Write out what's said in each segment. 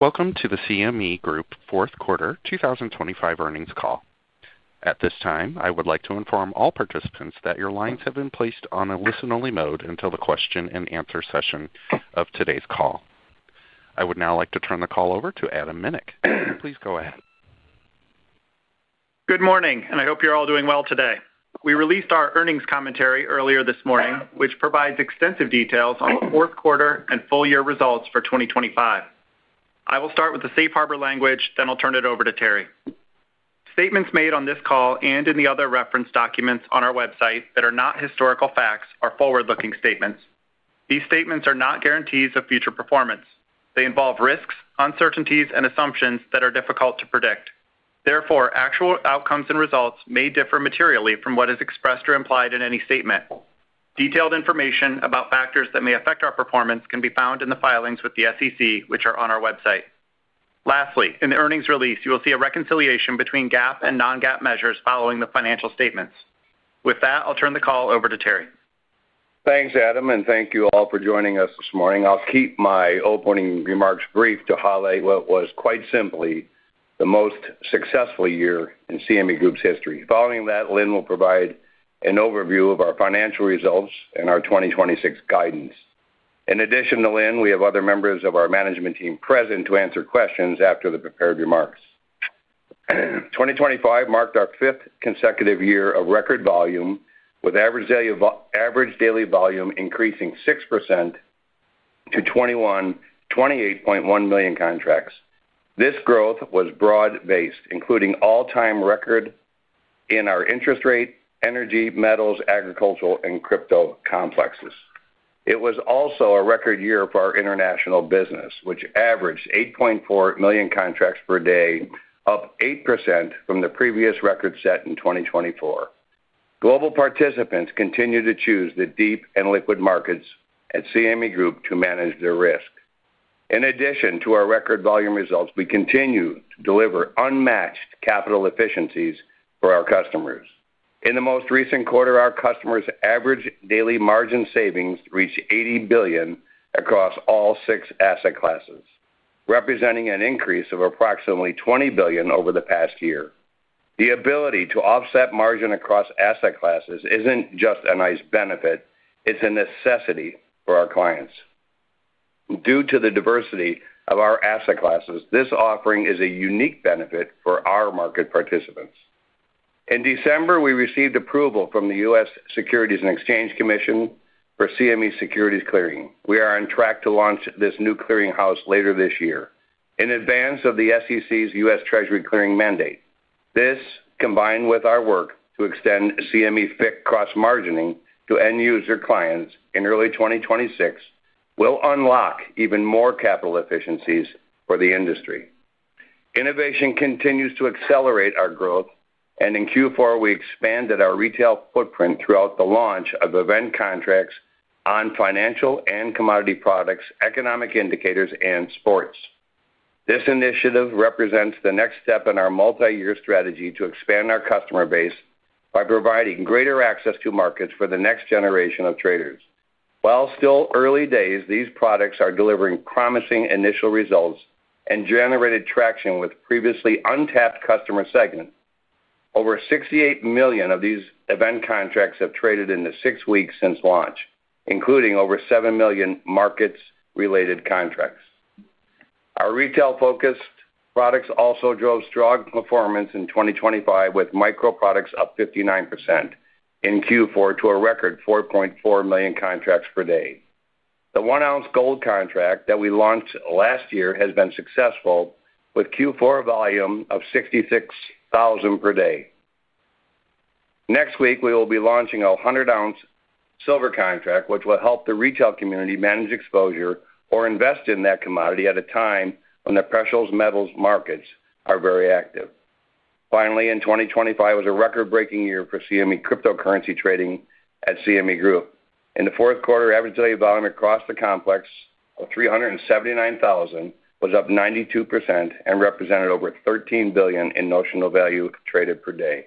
Welcome to the CME Group Fourth Quarter 2025 Earnings Call. At this time, I would like to inform all participants that your lines have been placed on a listen-only mode until the question-and-answer session of today's call. I would now like to turn the call over to Adam Minick. Please go ahead. Good morning, and I hope you're all doing well today. We released our earnings commentary earlier this morning, which provides extensive details on the fourth quarter and full-year results for 2025. I will start with the safe harbor language, then I'll turn it over to Terry. Statements made on this call and in the other reference documents on our website that are not historical facts are forward-looking statements. These statements are not guarantees of future performance. They involve risks, uncertainties, and assumptions that are difficult to predict. Therefore, actual outcomes and results may differ materially from what is expressed or implied in any statement. Detailed information about factors that may affect our performance can be found in the filings with the SEC, which are on our website. Lastly, in the earnings release, you will see a reconciliation between GAAP and non-GAAP measures following the financial statements. With that, I'll turn the call over to Terry. Thanks, Adam, and thank you all for joining us this morning. I'll keep my opening remarks brief to highlight what was quite simply the most successful year in CME Group's history. Following that, Lynne will provide an overview of our financial results and our 2026 guidance. In addition to Lynne, we have other members of our management team present to answer questions after the prepared remarks. 2025 marked our fifth consecutive year of record volume, with average daily volume increasing 6% to 2,128.1 million contracts. This growth was broad-based, including all-time record in our interest rate, energy, metals, agricultural, and crypto complexes. It was also a record year for our international business, which averaged 8.4 million contracts per day, up 8% from the previous record set in 2024. Global participants continue to choose the deep and liquid markets at CME Group to manage their risk. In addition to our record volume results, we continue to deliver unmatched capital efficiencies for our customers. In the most recent quarter, our customers' average daily margin savings reached $80 billion across all six asset classes, representing an increase of approximately $20 billion over the past year. The ability to offset margin across asset classes isn't just a nice benefit. It's a necessity for our clients. Due to the diversity of our asset classes, this offering is a unique benefit for our market participants. In December, we received approval from the U.S. Securities and Exchange Commission for CME Securities Clearing. We are on track to launch this new clearing house later this year, in advance of the SEC's U.S. Treasury clearing mandate. This, combined with our work to extend CME FICC Cross-Margining to end-user clients in early 2026, will unlock even more capital efficiencies for the industry. Innovation continues to accelerate our growth, and in Q4, we expanded our retail footprint throughout the launch of Event Contracts on financial and commodity products, economic indicators, and sports. This initiative represents the next step in our multi-year strategy to expand our customer base by providing greater access to markets for the next generation of traders. While still early days, these products are delivering promising initial results and generated traction with previously untapped customer segments. Over 68 million of these Event Contracts have traded in the 6 weeks since launch, including over 7 million markets-related contracts. Our retail-focused products also drove strong performance in 2025, with Micro products up 59% in Q4 to a record 4.4 million contracts per day. The 1-ounce gold contract that we launched last year has been successful, with Q4 volume of 66,000 per day. Next week, we will be launching a 100-ounce silver contract, which will help the retail community manage exposure or invest in that commodity at a time when the precious metals markets are very active. Finally, 2025 was a record-breaking year for CME cryptocurrency trading at CME Group. In the fourth quarter, average daily volume across the complex of 379,000 was up 92% and represented over $13 billion in notional value traded per day.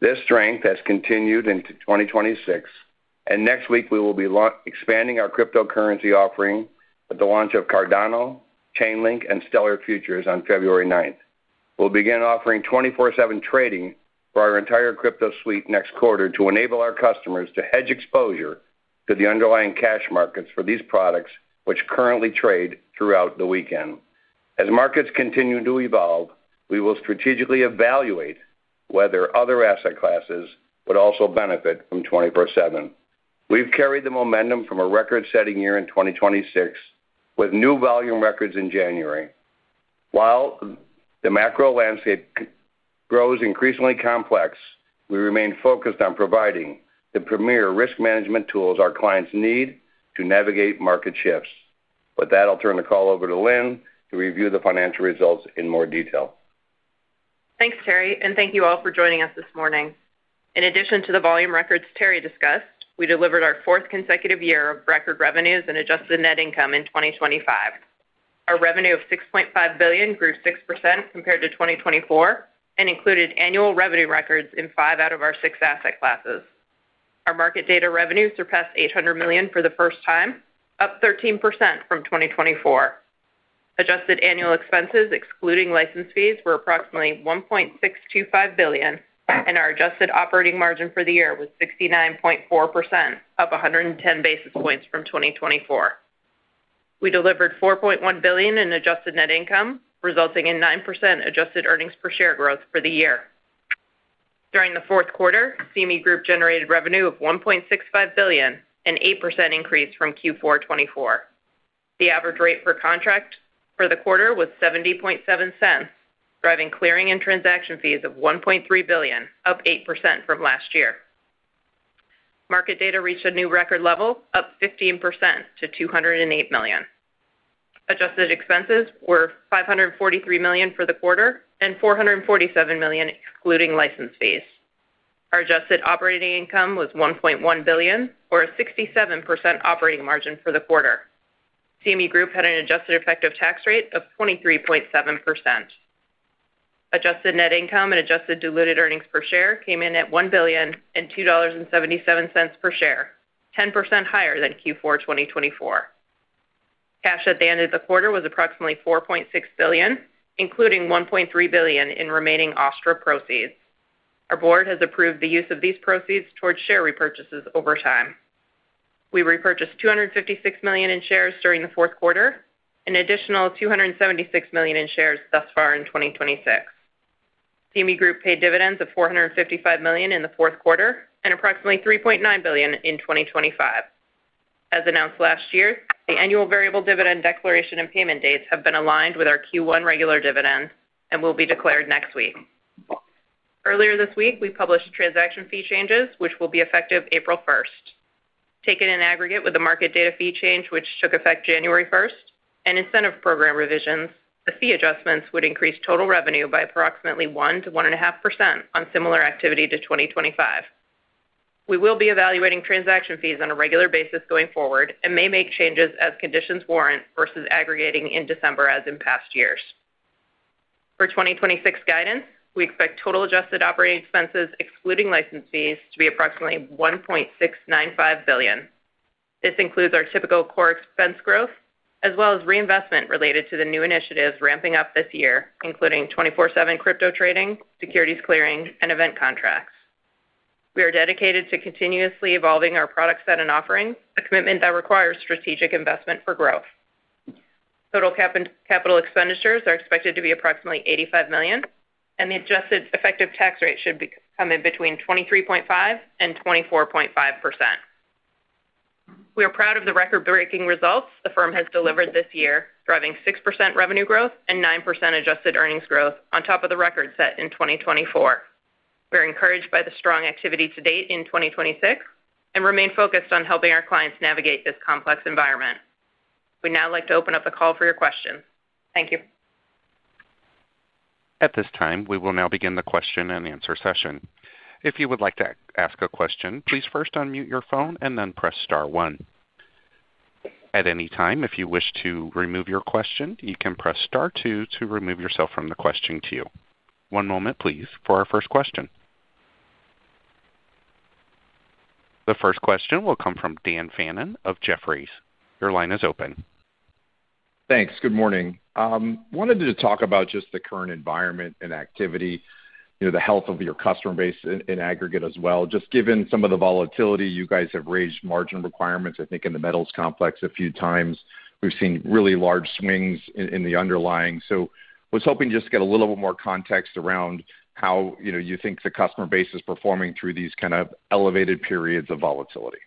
This strength has continued into 2026, and next week we will be expanding our cryptocurrency offering with the launch of Cardano, Chainlink, and Stellar futures on February 9th. We'll begin offering 24/7 trading for our entire crypto suite next quarter to enable our customers to hedge exposure to the underlying cash markets for these products, which currently trade throughout the weekend. As markets continue to evolve, we will strategically evaluate whether other asset classes would also benefit from 24/7. We've carried the momentum from a record-setting year in 2026, with new volume records in January. While the macro landscape grows increasingly complex, we remain focused on providing the premier risk management tools our clients need to navigate market shifts. With that, I'll turn the call over to Lynne to review the financial results in more detail. Thanks, Terry, and thank you all for joining us this morning. In addition to the volume records Terry discussed, we delivered our fourth consecutive year of record revenues and adjusted net income in 2025. Our revenue of $6.5 billion grew 6% compared to 2024 and included annual revenue records in five out of our six asset classes. Our market data revenue surpassed $800 million for the first time, up 13% from 2024. Adjusted annual expenses, excluding license fees, were approximately $1.625 billion, and our adjusted operating margin for the year was 69.4%, up 110 basis points from 2024. We delivered $4.1 billion in adjusted net income, resulting in 9% adjusted earnings per share growth for the year. During the fourth quarter, CME Group generated revenue of $1.65 billion, an 8% increase from Q4 2024. The average rate per contract for the quarter was $0.707, driving clearing and transaction fees of $1.3 billion, up 8% from last year. Market data reached a new record level, up 15% to $208 million. Adjusted expenses were $543 million for the quarter and $447 million excluding license fees. Our adjusted operating income was $1.1 billion, or a 67% operating margin for the quarter. CME Group had an adjusted effective tax rate of 23.7%. Adjusted net income and adjusted diluted earnings per share came in at $1.0277 per share, 10% higher than Q4 2024. Cash at the end of the quarter was approximately $4.6 billion, including $1.3 billion in remaining OSTTRA proceeds. Our board has approved the use of these proceeds towards share repurchases over time. We repurchased $256 million in shares during the fourth quarter and additional $276 million in shares thus far in 2026. CME Group paid dividends of $455 million in the fourth quarter and approximately $3.9 billion in 2025. As announced last year, the annual variable dividend declaration and payment dates have been aligned with our Q1 regular dividend and will be declared next week. Earlier this week, we published transaction fee changes, which will be effective April 1st. Taken in aggregate with the market data fee change, which took effect January 1st, and incentive program revisions, the fee adjustments would increase total revenue by approximately 1%-1.5% on similar activity to 2025. We will be evaluating transaction fees on a regular basis going forward and may make changes as conditions warrant versus aggregating in December as in past years. For 2026 guidance, we expect total adjusted operating expenses excluding license fees to be approximately $1.695 billion. This includes our typical core expense growth as well as reinvestment related to the new initiatives ramping up this year, including 24/7 crypto trading, securities clearing, and event contracts. We are dedicated to continuously evolving our product set and offerings, a commitment that requires strategic investment for growth. Total capital expenditures are expected to be approximately $85 million, and the adjusted effective tax rate should come in between 23.5%-24.5%. We are proud of the record-breaking results the firm has delivered this year, driving 6% revenue growth and 9% adjusted earnings growth on top of the record set in 2024. We are encouraged by the strong activity to date in 2026 and remain focused on helping our clients navigate this complex environment. We'd now like to open up the call for your questions. Thank you. At this time, we will now begin the question-and-answer session. If you would like to ask a question, please first unmute your phone and then press star one. At any time, if you wish to remove your question, you can press star two to remove yourself from the question queue. One moment, please, for our first question. The first question will come from Dan Fannon of Jefferies. Your line is open. Thanks. Good morning. Wanted to talk about just the current environment and activity, the health of your customer base in aggregate as well. Just given some of the volatility, you guys have raised margin requirements, I think, in the metals complex a few times. We've seen really large swings in the underlying. So I was hoping just to get a little bit more context around how you think the customer base is performing through these kind of elevated periods of volatility.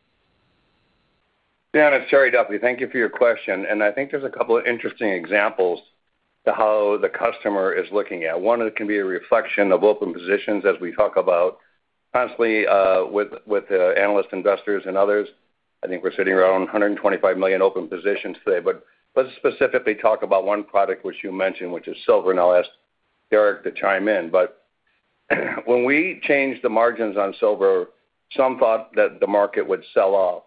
Dan, it's Terry Duffy. Thank you for your question. I think there's a couple of interesting examples to how the customer is looking at. One that can be a reflection of open positions, as we talk about constantly with analysts, investors, and others. I think we're sitting around 125 million open positions today. Let's specifically talk about one product which you mentioned, which is silver. And I'll ask Derek to chime in. When we changed the margins on silver, some thought that the market would sell off.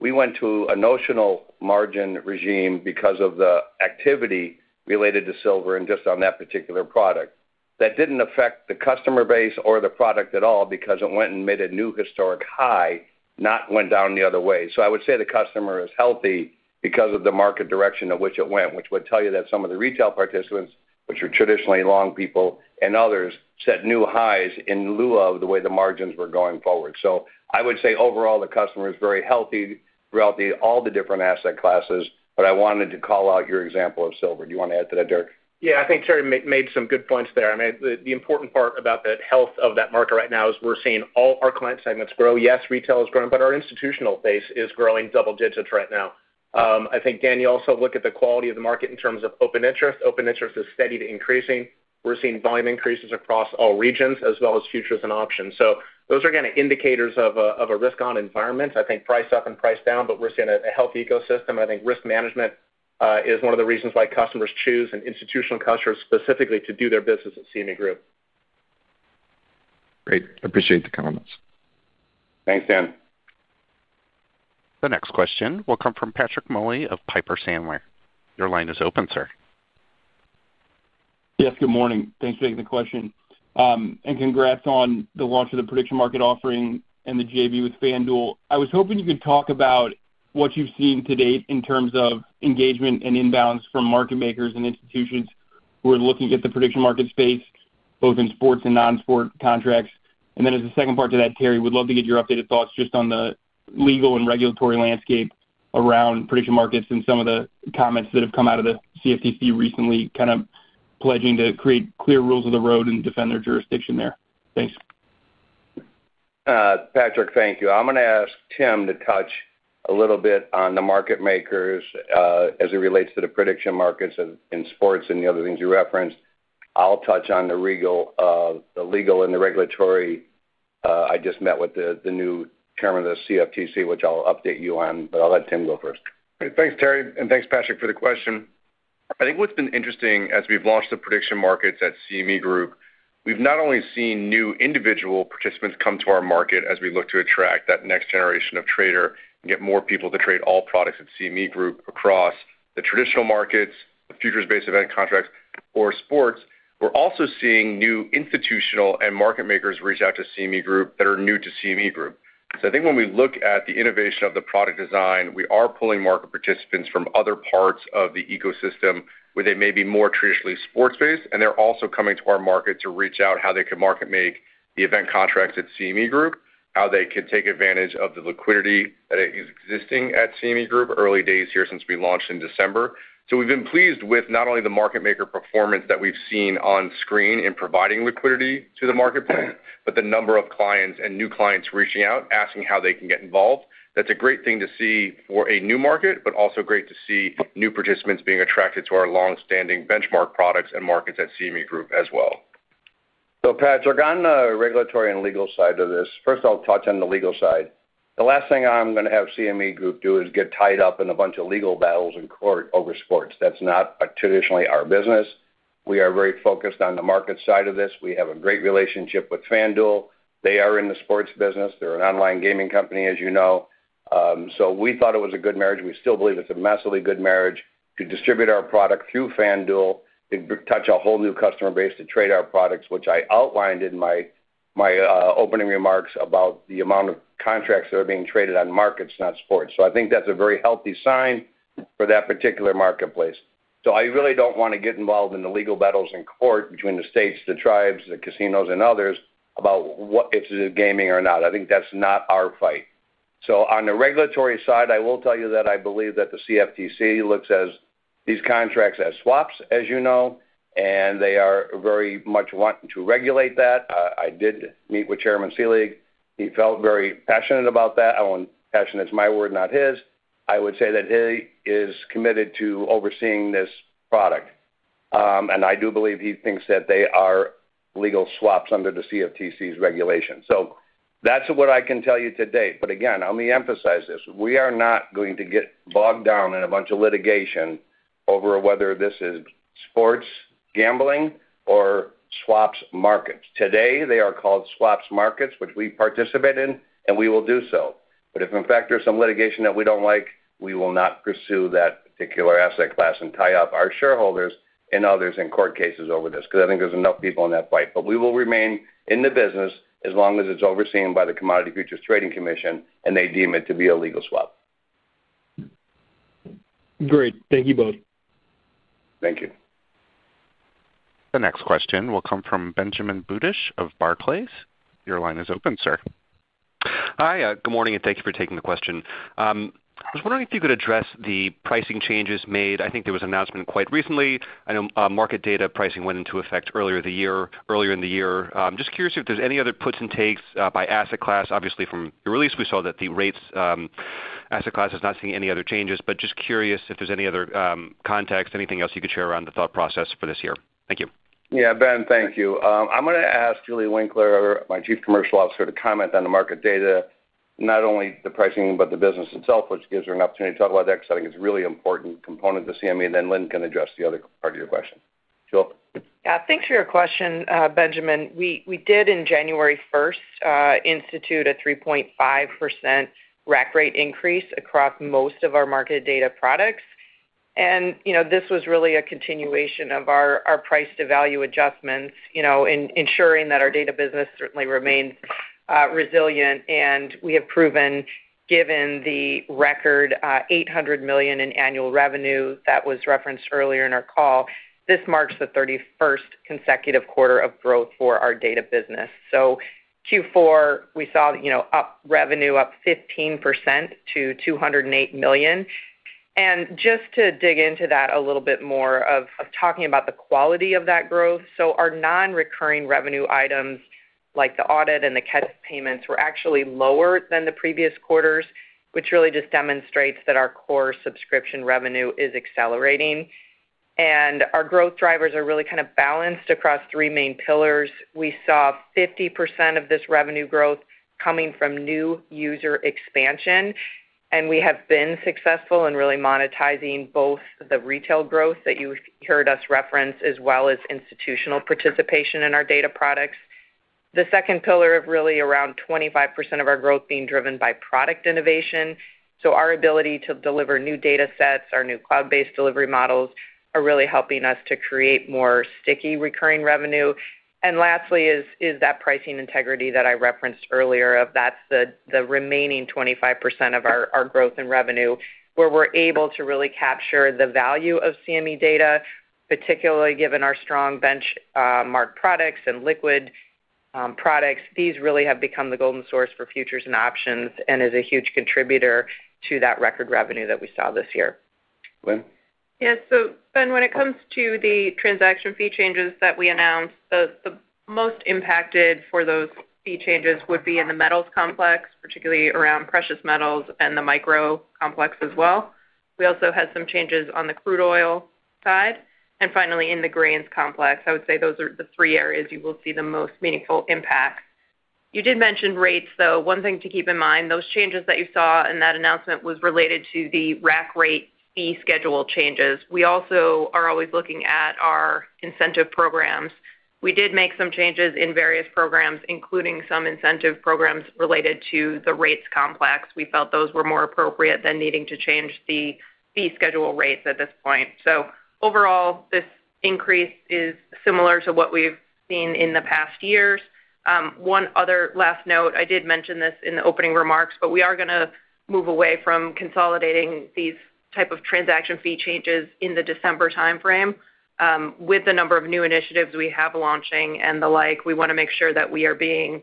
We went to a notional margin regime because of the activity related to silver and just on that particular product. That didn't affect the customer base or the product at all because it went and made a new historic high, not went down the other way. So I would say the customer is healthy because of the market direction at which it went, which would tell you that some of the retail participants, which are traditionally long people and others, set new highs in lieu of the way the margins were going forward. So I would say overall, the customer is very healthy throughout all the different asset classes. But I wanted to call out your example of silver. Do you want to add to that, Derek? Yeah. I think Terry made some good points there. I mean, the important part about the health of that market right now is we're seeing all our client segments grow. Yes, retail is growing, but our institutional base is growing double digits right now. I think, Dan, you also look at the quality of the market in terms of open interest. Open interest is steady to increasing. We're seeing volume increases across all regions as well as futures and options. So those are kind of indicators of a risk-on environment. I think price up and price down, but we're seeing a healthy ecosystem. And I think risk management is one of the reasons why customers choose, and institutional customers specifically, to do their business at CME Group. Great. Appreciate the comments. Thanks, Dan. The next question will come from Patrick Moley of Piper Sandler. Your line is open, sir. Yes. Good morning. Thanks for taking the question. And congrats on the launch of the prediction market offering and the JV with FanDuel. I was hoping you could talk about what you've seen to date in terms of engagement and inbounds from market makers and institutions who are looking at the prediction market space, both in sports and non-sport contracts. And then as a second part to that, Terry, we'd love to get your updated thoughts just on the legal and regulatory landscape around prediction markets and some of the comments that have come out of the CFTC recently, kind of pledging to create clear rules of the road and defend their jurisdiction there. Thanks. Patrick, thank you. I'm going to ask Tim to touch a little bit on the market makers as it relates to the prediction markets in sports and the other things you referenced. I'll touch on the legal and the regulatory. I just met with the new chairman of the CFTC, which I'll update you on. I'll let Tim go first. Great. Thanks, Terry, and thanks, Patrick, for the question. I think what's been interesting as we've launched the prediction markets at CME Group, we've not only seen new individual participants come to our market as we look to attract that next generation of trader and get more people to trade all products at CME Group across the traditional markets, the futures-based event contracts, or sports. We're also seeing new institutional and market makers reach out to CME Group that are new to CME Group. So I think when we look at the innovation of the product design, we are pulling market participants from other parts of the ecosystem where they may be more traditionally sports-based. They're also coming to our market to reach out how they could market-make the Event Contracts at CME Group, how they could take advantage of the liquidity that is existing at CME Group early days here since we launched in December. We've been pleased with not only the market maker performance that we've seen on screen in providing liquidity to the marketplace, but the number of clients and new clients reaching out, asking how they can get involved. That's a great thing to see for a new market, but also great to see new participants being attracted to our longstanding benchmark products and markets at CME Group as well. So, Patrick, on the regulatory and legal side of this, first, I'll touch on the legal side. The last thing I'm going to have CME Group do is get tied up in a bunch of legal battles in court over sports. That's not traditionally our business. We are very focused on the market side of this. We have a great relationship with FanDuel. They are in the sports business. They're an online gaming company, as you know. So we thought it was a good marriage. We still believe it's a massively good marriage to distribute our product through FanDuel, to touch a whole new customer base to trade our products, which I outlined in my opening remarks about the amount of contracts that are being traded on markets, not sports. So I think that's a very healthy sign for that particular marketplace. So I really don't want to get involved in the legal battles in court between the states, the tribes, the casinos, and others about if it's gaming or not. I think that's not our fight. So on the regulatory side, I will tell you that I believe that the CFTC looks at these contracts as swaps, as you know, and they are very much wanting to regulate that. I did meet with Chairman Selig. He felt very passionate about that. I own passionate is my word, not his. I would say that he is committed to overseeing this product. And I do believe he thinks that they are legal swaps under the CFTC's regulation. So that's what I can tell you to date. But again, I'm going to emphasize this. We are not going to get bogged down in a bunch of litigation over whether this is sports, gambling, or swaps markets. Today, they are called swaps markets, which we participate in, and we will do so. But if, in fact, there's some litigation that we don't like, we will not pursue that particular asset class and tie up our shareholders and others in court cases over this because I think there's enough people in that fight. But we will remain in the business as long as it's overseen by the Commodity Futures Trading Commission and they deem it to be a legal swap. Great. Thank you both. Thank you. The next question will come from Benjamin Budish of Barclays. Your line is open, sir. Hi. Good morning, and thank you for taking the question. I was wondering if you could address the pricing changes made. I think there was an announcement quite recently. I know market data pricing went into effect earlier in the year. I'm just curious if there's any other puts and takes by asset class. Obviously, from your release, we saw that the rates asset class is not seeing any other changes. But just curious if there's any other context, anything else you could share around the thought process for this year. Thank you. Yeah. Ben, thank you. I'm going to ask Julie Winkler, my Chief Commercial Officer, to comment on the market data, not only the pricing but the business itself, which gives her an opportunity to talk about that because I think it's a really important component to CME. And then Lynne can address the other part of your question. Jill? Yeah. Thanks for your question, Benjamin. We did, on January 1st, institute a 3.5% rack rate increase across most of our market data products. This was really a continuation of our price-to-value adjustments, ensuring that our data business certainly remains resilient. We have proven, given the record $800 million in annual revenue that was referenced earlier in our call, this marks the 31st consecutive quarter of growth for our data business. Q4, we saw revenue up 15% to $208 million. Just to dig into that a little bit more of talking about the quality of that growth, our non-recurring revenue items like the audit and the cash payments were actually lower than the previous quarters, which really just demonstrates that our core subscription revenue is accelerating. Our growth drivers are really kind of balanced across three main pillars. We saw 50% of this revenue growth coming from new user expansion. We have been successful in really monetizing both the retail growth that you heard us reference as well as institutional participation in our data products. The second pillar is really around 25% of our growth being driven by product innovation. Our ability to deliver new datasets, our new cloud-based delivery models are really helping us to create more sticky recurring revenue. Lastly is that pricing integrity that I referenced earlier of that's the remaining 25% of our growth and revenue where we're able to really capture the value of CME data, particularly given our strong benchmark products and liquid products. These really have become the golden source for futures and options and is a huge contributor to that record revenue that we saw this year. Lynne? Yeah. So, Ben, when it comes to the transaction fee changes that we announced, the most impacted for those fee changes would be in the metals complex, particularly around precious metals and the Micro complex as well. We also had some changes on the crude oil side. And finally, in the grains complex, I would say those are the three areas you will see the most meaningful impact. You did mention rates, though. One thing to keep in mind, those changes that you saw in that announcement was related to the rack rate fee schedule changes. We also are always looking at our incentive programs. We did make some changes in various programs, including some incentive programs related to the rates complex. We felt those were more appropriate than needing to change the fee schedule rates at this point. So overall, this increase is similar to what we've seen in the past years. One other last note, I did mention this in the opening remarks, but we are going to move away from consolidating these types of transaction fee changes in the December timeframe. With the number of new initiatives we have launching and the like, we want to make sure that we are being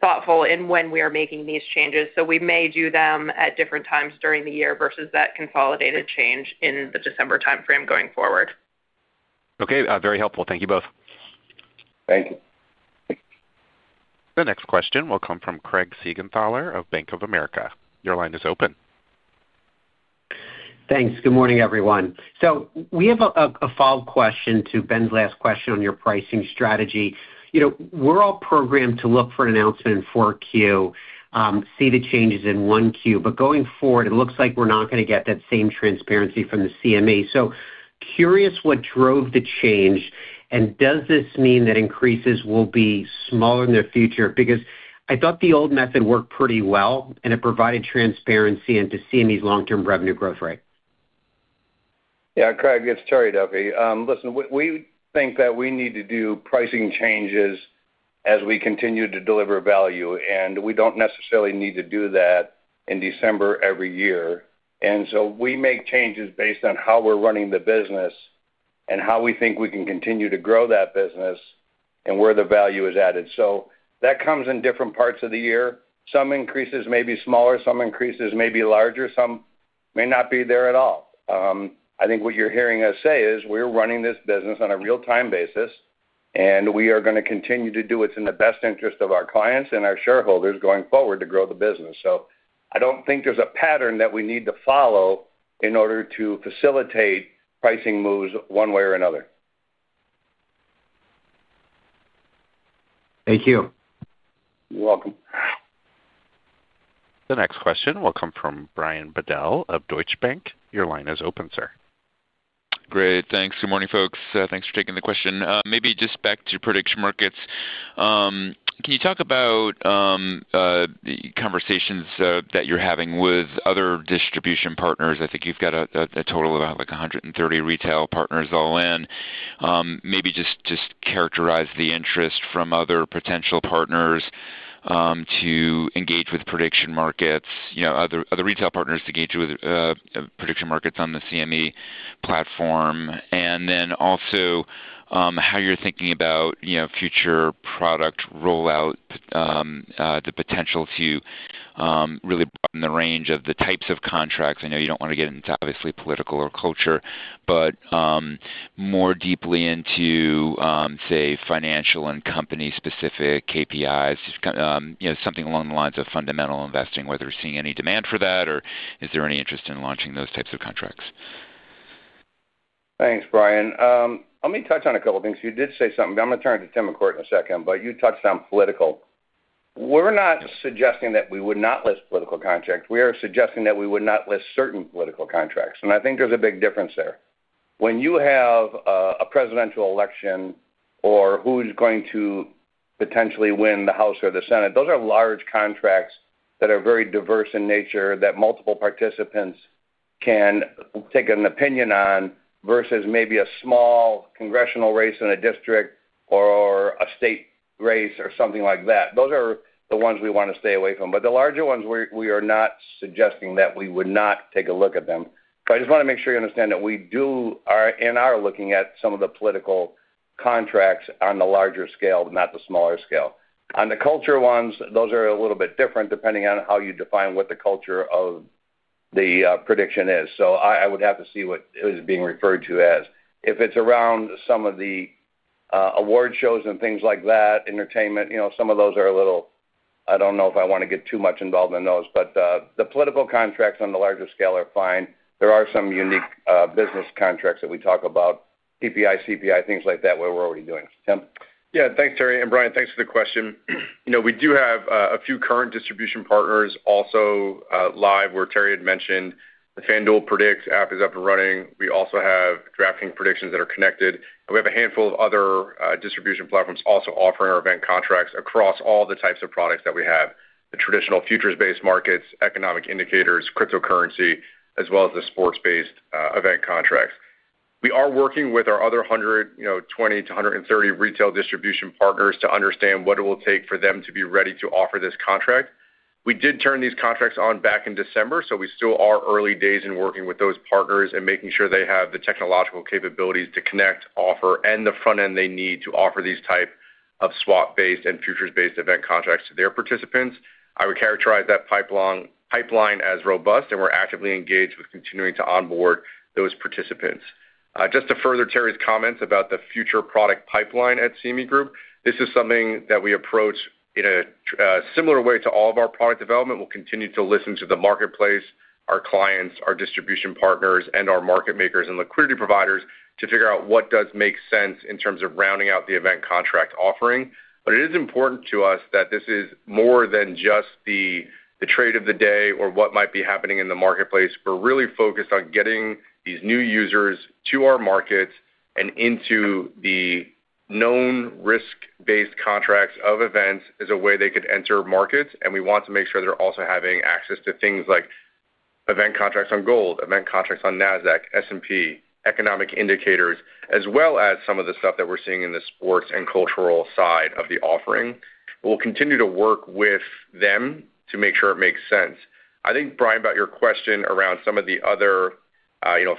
thoughtful in when we are making these changes. So we may do them at different times during the year versus that consolidated change in the December timeframe going forward. Okay. Very helpful. Thank you both. Thank you. The next question will come from Craig Siegenthaler of Bank of America. Your line is open. Thanks. Good morning, everyone. So we have a follow-up question to Ben's last question on your pricing strategy. We're all programmed to look for an announcement in 4Q, see the changes in 1Q. But going forward, it looks like we're not going to get that same transparency from the CME. So curious what drove the change, and does this mean that increases will be smaller in the future? Because I thought the old method worked pretty well, and it provided transparency into CME's long-term revenue growth rate. Yeah. Craig, it's Terry Duffy. Listen, we think that we need to do pricing changes as we continue to deliver value. And we don't necessarily need to do that in December every year. And so we make changes based on how we're running the business and how we think we can continue to grow that business and where the value is added. So that comes in different parts of the year. Some increases may be smaller. Some increases may be larger. Some may not be there at all. I think what you're hearing us say is we're running this business on a real-time basis, and we are going to continue to do it in the best interest of our clients and our shareholders going forward to grow the business. I don't think there's a pattern that we need to follow in order to facilitate pricing moves one way or another. Thank you. You're welcome. The next question will come from Brian Bedell of Deutsche Bank. Your line is open, sir. Great. Thanks. Good morning, folks. Thanks for taking the question. Maybe just back to prediction markets. Can you talk about the conversations that you're having with other distribution partners? I think you've got a total of about 130 retail partners all in. Maybe just characterize the interest from other potential partners to engage with prediction markets, other retail partners to engage with prediction markets on the CME platform, and then also how you're thinking about future product rollout, the potential to really broaden the range of the types of contracts. I know you don't want to get into, obviously, political or culture, but more deeply into, say, financial and company-specific KPIs, something along the lines of fundamental investing, whether we're seeing any demand for that, or is there any interest in launching those types of contracts? Thanks, Brian. Let me touch on a couple of things. You did say something, but I'm going to turn it to Tim McCourt in a second. But you touched on political. We're not suggesting that we would not list political contracts. We are suggesting that we would not list certain political contracts. And I think there's a big difference there. When you have a presidential election or who's going to potentially win the House or the Senate, those are large contracts that are very diverse in nature that multiple participants can take an opinion on versus maybe a small congressional race in a district or a state race or something like that. Those are the ones we want to stay away from. But the larger ones, we are not suggesting that we would not take a look at them. So I just want to make sure you understand that we are looking at some of the political contracts on the larger scale, not the smaller scale. On the culture ones, those are a little bit different depending on how you define what the culture of the prediction is. So I would have to see what it is being referred to as. If it's around some of the award shows and things like that, entertainment, some of those are a little. I don't know if I want to get too much involved in those. But the political contracts on the larger scale are fine. There are some unique business contracts that we talk about, PPI, CPI, things like that where we're already doing them. Tim? Yeah. Thanks, Terry. And Brian, thanks for the question. We do have a few current distribution partners also live where Terry had mentioned. The FanDuel Predicts app is up and running. We also have DraftKings predictions that are connected. And we have a handful of other distribution platforms also offering our event contracts across all the types of products that we have: the traditional futures-based markets, economic indicators, cryptocurrency, as well as the sports-based event contracts. We are working with our other 120-130 retail distribution partners to understand what it will take for them to be ready to offer this contract. We did turn these contracts on back in December, so we still are early days in working with those partners and making sure they have the technological capabilities to connect, offer, and the front end they need to offer these types of swap-based and futures-based event contracts to their participants. I would characterize that pipeline as robust, and we're actively engaged with continuing to onboard those participants. Just to further Terry's comments about the future product pipeline at CME Group, this is something that we approach in a similar way to all of our product development. We'll continue to listen to the marketplace, our clients, our distribution partners, and our market makers and liquidity providers to figure out what does make sense in terms of rounding out the event contract offering. But it is important to us that this is more than just the trade of the day or what might be happening in the marketplace. We're really focused on getting these new users to our markets and into the known risk-based contracts of events as a way they could enter markets. And we want to make sure they're also having access to things like event contracts on gold, event contracts on Nasdaq, S&P, economic indicators, as well as some of the stuff that we're seeing in the sports and cultural side of the offering. We'll continue to work with them to make sure it makes sense. I think, Brian, about your question around some of the other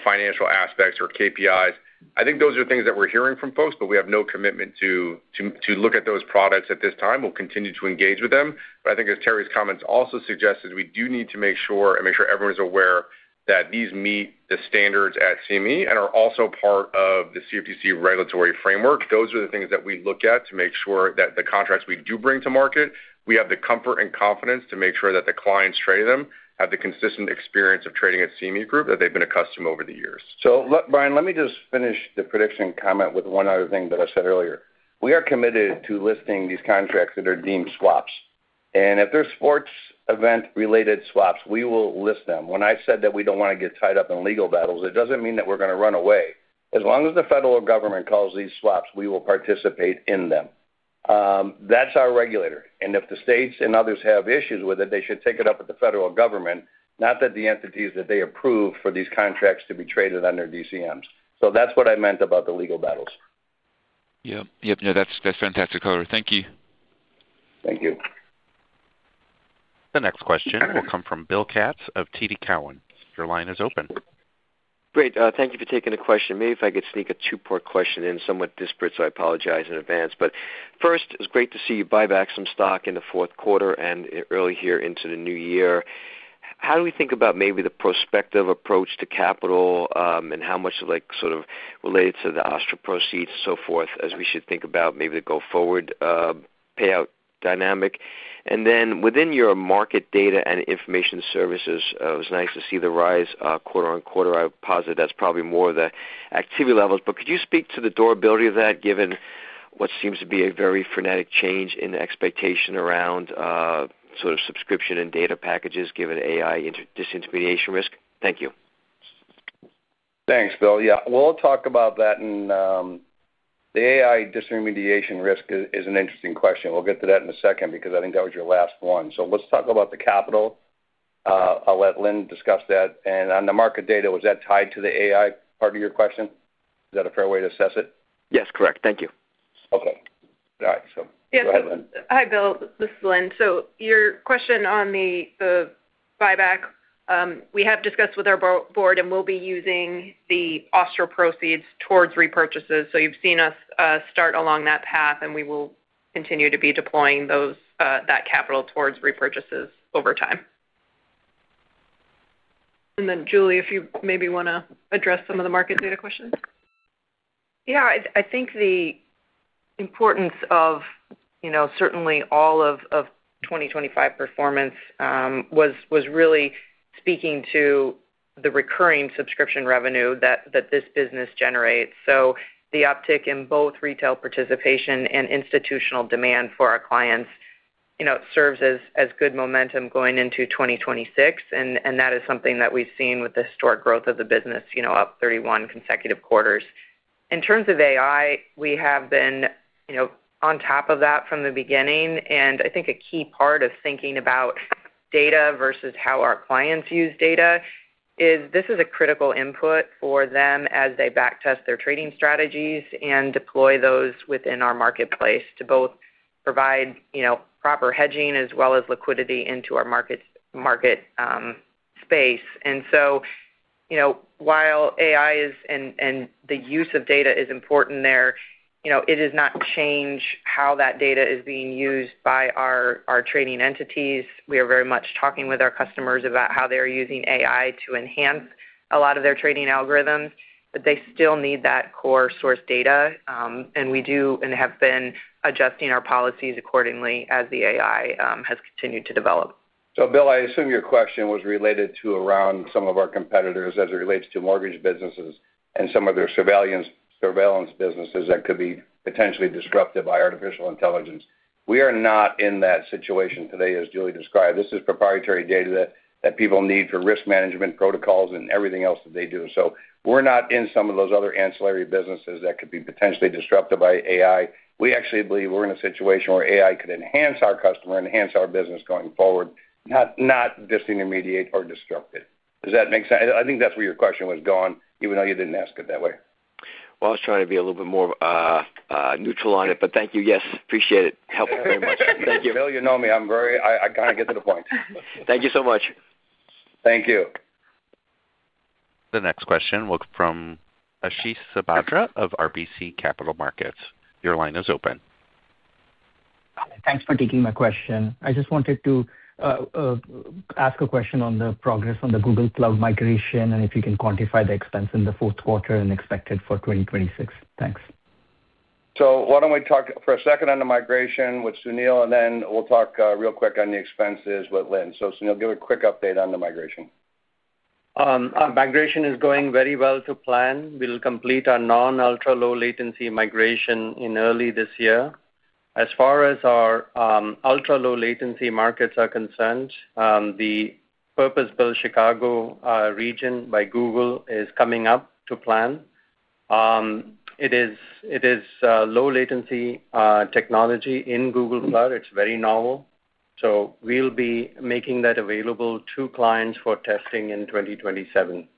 financial aspects or KPIs, I think those are things that we're hearing from folks, but we have no commitment to look at those products at this time. We'll continue to engage with them. I think, as Terry's comments also suggested, we do need to make sure and make sure everyone's aware that these meet the standards at CME and are also part of the CFTC regulatory framework. Those are the things that we look at to make sure that the contracts we do bring to market, we have the comfort and confidence to make sure that the clients trade them, have the consistent experience of trading at CME Group that they've been accustomed to over the years. So, Brian, let me just finish the prediction comment with one other thing that I said earlier. We are committed to listing these contracts that are deemed swaps. And if they're sports-event-related swaps, we will list them. When I said that we don't want to get tied up in legal battles, it doesn't mean that we're going to run away. As long as the federal government calls these swaps, we will participate in them. That's our regulator. And if the states and others have issues with it, they should take it up with the federal government, not that the entities that they approve for these contracts to be traded under DCMs. So that's what I meant about the legal battles. Yep. Yep. No, that's fantastic, color. Thank you. Thank you. The next question will come from Bill Katz of TD Cowen. Your line is open. Great. Thank you for taking the question. Maybe if I could sneak a two-part question in, somewhat disparate, so I apologize in advance. But first, it's great to see you buy back some stock in the fourth quarter and early here into the new year. How do we think about maybe the prospective approach to capital and how much sort of related to the OSTTRA proceeds and so forth as we should think about maybe the go-forward payout dynamic? And then within your market data and information services, it was nice to see the rise quarter-over-quarter. I posit that's probably more the activity levels. But could you speak to the durability of that given what seems to be a very frenetic change in expectation around sort of subscription and data packages given AI disintermediation risk? Thank you. Thanks, Bill. Yeah. We'll talk about that. And the AI disintermediation risk is an interesting question. We'll get to that in a second because I think that was your last one. So let's talk about the capital. I'll let Lynne discuss that. And on the market data, was that tied to the AI part of your question? Is that a fair way to assess it? Yes. Correct. Thank you. Okay. All right. So go ahead, Lynne. Yeah. Hi, Bill. This is Lynne. So your question on the buyback, we have discussed with our board, and we'll be using the OSTTRA proceeds towards repurchases. So you've seen us start along that path, and we will continue to be deploying that capital towards repurchases over time. And then, Julie, if you maybe want to address some of the market data questions. Yeah. I think the importance of certainly all of 2025 performance was really speaking to the recurring subscription revenue that this business generates. So the uptick in both retail participation and institutional demand for our clients, it serves as good momentum going into 2026. And that is something that we've seen with the historic growth of the business up 31 consecutive quarters. In terms of AI, we have been on top of that from the beginning. And I think a key part of thinking about data versus how our clients use data is this is a critical input for them as they backtest their trading strategies and deploy those within our marketplace to both provide proper hedging as well as liquidity into our market space. And so while AI and the use of data is important there, it does not change how that data is being used by our trading entities. We are very much talking with our customers about how they are using AI to enhance a lot of their trading algorithms. But they still need that core source data. And we do and have been adjusting our policies accordingly as the AI has continued to develop. So, Bill, I assume your question was related to around some of our competitors as it relates to mortgage businesses and some of their surveillance businesses that could be potentially disruptive by artificial intelligence. We are not in that situation today, as Julie described. This is proprietary data that people need for risk management protocols and everything else that they do. So we're not in some of those other ancillary businesses that could be potentially disruptive by AI. We actually believe we're in a situation where AI could enhance our customer, enhance our business going forward, not disintermediate or disrupt it. Does that make sense? I think that's where your question was going even though you didn't ask it that way. Well, I was trying to be a little bit more neutral on it. But thank you. Yes. Appreciate it. Helped very much. Thank you. Bill, you know me. I kind of get to the point. Thank you so much. Thank you. The next question will come from Ashish Sabadra of RBC Capital Markets. Your line is open. Thanks for taking my question. I just wanted to ask a question on the progress on the Google Cloud migration and if you can quantify the expense in the fourth quarter and expected for 2026? Thanks. Why don't we talk for a second on the migration with Sunil, and then we'll talk real quick on the expenses with Lynne. Sunil, give a quick update on the migration. Migration is going very well to plan. We'll complete our non-ultra-low-latency migration in early this year. As far as our ultra-low-latency markets are concerned, the purpose-built Chicago region by Google is coming up to plan. It is low-latency technology in Google Cloud. It's very novel. So we'll be making that available to clients for testing in 2027.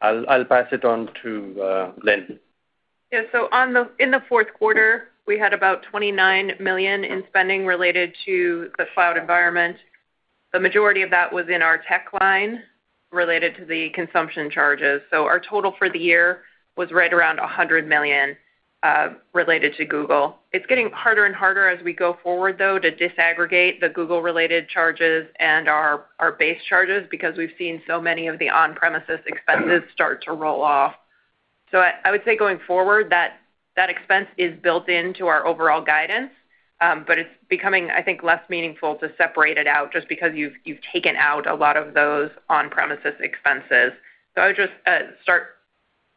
I'll pass it on to Lynne. Yeah. So in the fourth quarter, we had about $29 million in spending related to the cloud environment. The majority of that was in our tech line related to the consumption charges. So our total for the year was right around $100 million related to Google. It's getting harder and harder as we go forward, though, to disaggregate the Google-related charges and our base charges because we've seen so many of the on-premises expenses start to roll off. So I would say going forward, that expense is built into our overall guidance. But it's becoming, I think, less meaningful to separate it out just because you've taken out a lot of those on-premises expenses. So I would just start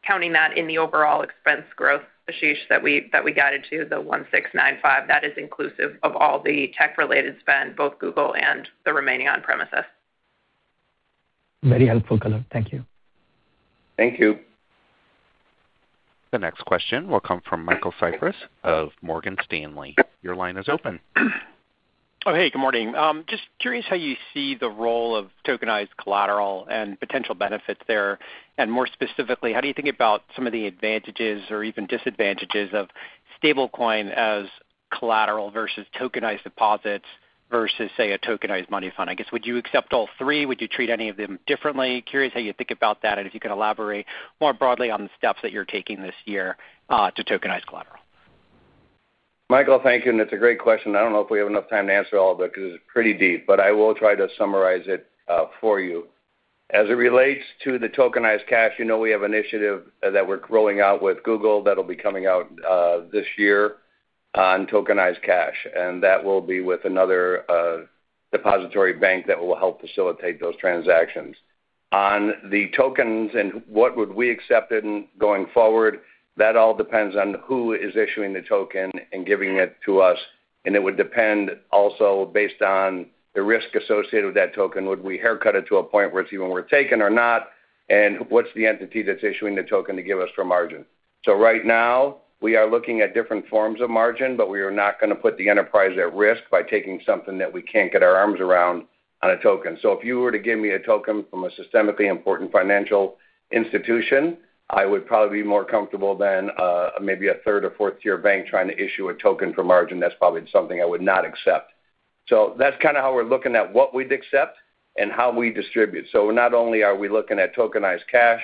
counting that in the overall expense growth. Ashish, that we guided to the $1,695, that is inclusive of all the tech-related spend, both Google and the remaining on-premises. Very helpful, Coder. Thank you. Thank you. The next question will come from Michael Cyprys of Morgan Stanley. Your line is open. Oh, hey. Good morning. Just curious how you see the role of tokenized collateral and potential benefits there. And more specifically, how do you think about some of the advantages or even disadvantages of stablecoin as collateral versus tokenized deposits versus, say, a tokenized money fund? I guess, would you accept all three? Would you treat any of them differently? Curious how you think about that and if you can elaborate more broadly on the steps that you're taking this year to tokenize collateral. Michael, thank you. It's a great question. I don't know if we have enough time to answer all of it because it's pretty deep. But I will try to summarize it for you. As it relates to the tokenized cash, we have an initiative that we're rolling out with Google that'll be coming out this year on tokenized cash. And that will be with another depository bank that will help facilitate those transactions. On the tokens and what would we accept going forward, that all depends on who is issuing the token and giving it to us. And it would depend also based on the risk associated with that token. Would we haircut it to a point where it's even worth taking or not? And what's the entity that's issuing the token to give us for margin? So right now, we are looking at different forms of margin, but we are not going to put the enterprise at risk by taking something that we can't get our arms around on a token. So if you were to give me a token from a systemically important financial institution, I would probably be more comfortable than maybe a third or fourth-tier bank trying to issue a token for margin. That's probably something I would not accept. So that's kind of how we're looking at what we'd accept and how we distribute. So not only are we looking at tokenized cash,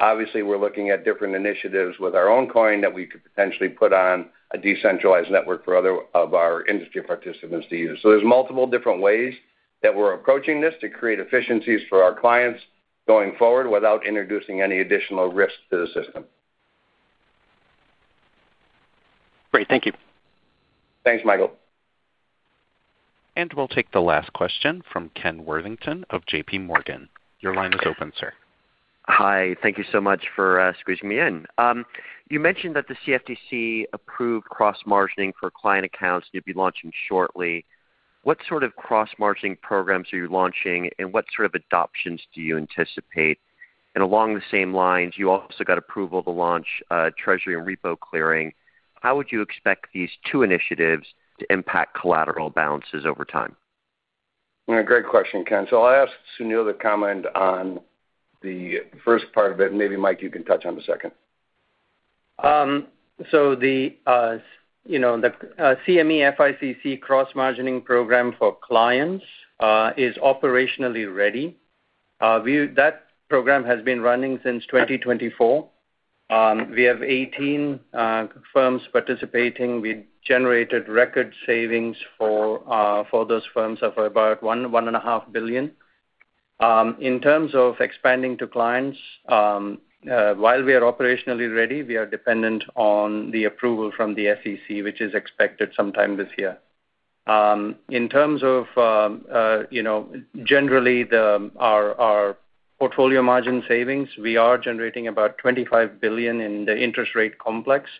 obviously, we're looking at different initiatives with our own coin that we could potentially put on a decentralized network for other of our industry participants to use. There's multiple different ways that we're approaching this to create efficiencies for our clients going forward without introducing any additional risk to the system. Great. Thank you. Thanks, Michael. We'll take the last question from Ken Worthington of J.P. Morgan. Your line is open, sir. Hi. Thank you so much for squeezing me in. You mentioned that the CFTC approved cross-margining for client accounts that you'll be launching shortly. What sort of cross-margining programs are you launching, and what sort of adoptions do you anticipate? And along the same lines, you also got approval to launch treasury and repo clearing. How would you expect these two initiatives to impact collateral balances over time? Great question, Ken. So I'll ask Sunil to comment on the first part of it. And maybe, Mike, you can touch on the second. So the CME FICC cross-margining program for clients is operationally ready. That program has been running since 2024. We have 18 firms participating. We generated record savings for those firms of about $1.5 billion. In terms of expanding to clients, while we are operationally ready, we are dependent on the approval from the CFTC, which is expected sometime this year. In terms of, generally, our portfolio margin savings, we are generating about $25 billion in the interest rate complex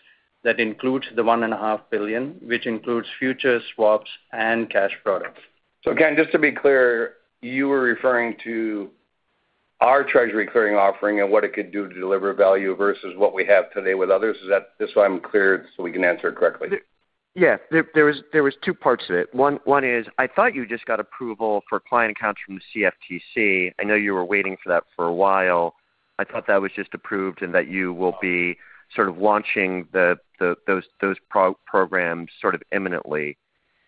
that includes the $1.5 billion, which includes futures, swaps, and cash products. So again, just to be clear, you were referring to our Treasury clearing offering and what it could do to deliver value versus what we have today with others. Is that the way I'm clear so we can answer it correctly? Yes. There was two parts to it. One is I thought you just got approval for client accounts from the CFTC. I know you were waiting for that for a while. I thought that was just approved and that you will be sort of launching those programs sort of imminently.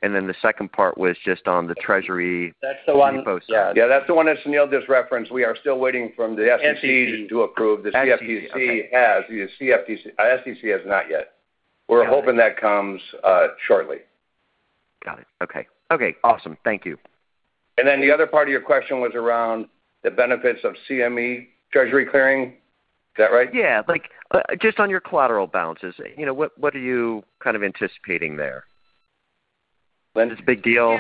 And then the second part was just on the Treasury repositioning. That's the one. Yeah. That's the one that Sunil just referenced. We are still waiting from the SEC to approve. The CFTC has. The SEC has not yet. We're hoping that comes shortly. Got it. Okay. Okay. Awesome. Thank you. And then the other part of your question was around the benefits of CME Treasury Clearing. Is that right? Yeah. Just on your collateral balances, what are you kind of anticipating there? Is it a big deal?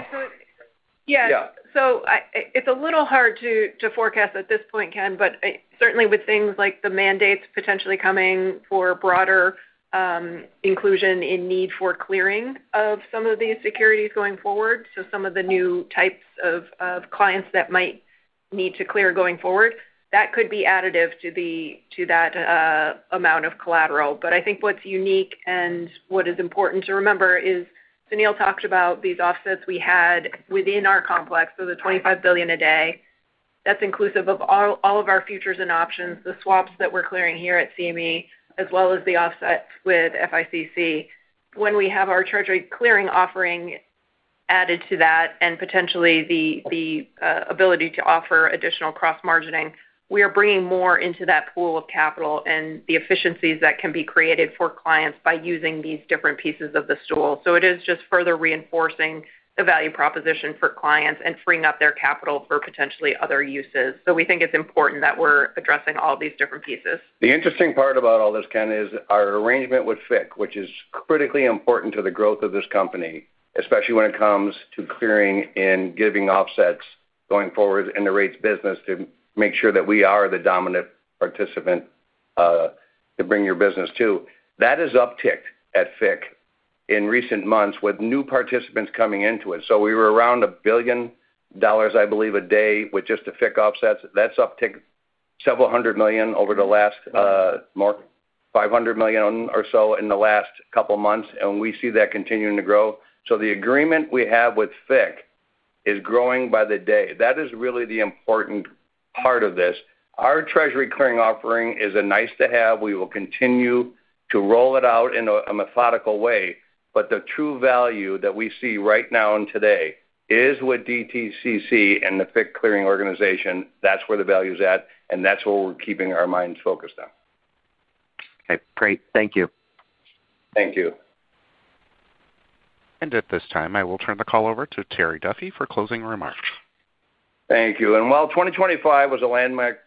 Yeah. So it's a little hard to forecast at this point, Ken, but certainly with things like the mandates potentially coming for broader inclusion in need for clearing of some of these securities going forward, so some of the new types of clients that might need to clear going forward, that could be additive to that amount of collateral. But I think what's unique and what is important to remember is Sunil talked about these offsets we had within our complex, so the $25 billion a day. That's inclusive of all of our futures and options, the swaps that we're clearing here at CME, as well as the offset with FICC. When we have our treasury clearing offering added to that and potentially the ability to offer additional cross-margining, we are bringing more into that pool of capital and the efficiencies that can be created for clients by using these different pieces of the stool. So it is just further reinforcing the value proposition for clients and freeing up their capital for potentially other uses. So we think it's important that we're addressing all these different pieces. The interesting part about all this, Ken, is our arrangement would fit, which is critically important to the growth of this company, especially when it comes to clearing and giving offsets going forward in the rates business to make sure that we are the dominant participant to bring your business to. That has upticked at FICC in recent months with new participants coming into it. So we were around $1 billion, I believe, a day with just the FICC offsets. That's upticked several hundred million over the last $500 million or so in the last couple of months. And we see that continuing to grow. So the agreement we have with FICC is growing by the day. That is really the important part of this. Our treasury clearing offering is a nice-to-have. We will continue to roll it out in a methodical way. But the true value that we see right now and today is with DTCC and the FICC clearing organization. That's where the value's at. And that's where we're keeping our minds focused on. Okay. Great. Thank you. Thank you. At this time, I will turn the call over to Terry Duffy for closing remarks. Thank you. And while 2025 was a landmark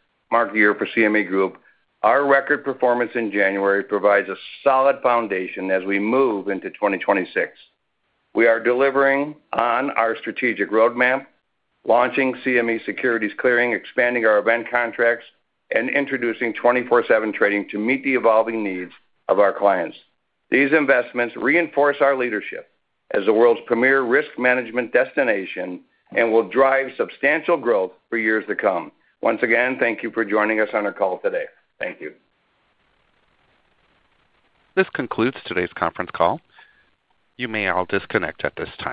year for CME Group, our record performance in January provides a solid foundation as we move into 2026. We are delivering on our strategic roadmap, launching CME Securities Clearing, expanding our Event Contracts, and introducing 24/7 trading to meet the evolving needs of our clients. These investments reinforce our leadership as the world's premier risk management destination and will drive substantial growth for years to come. Once again, thank you for joining us on our call today. Thank you. This concludes today's conference call. You may all disconnect at this time.